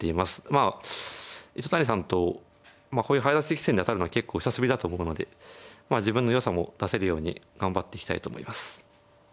まあ糸谷さんとこういう早指し棋戦で当たるのは結構久しぶりだと思うので自分のよさも出せるように頑張っていきたいと思います。